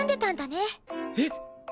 えっ！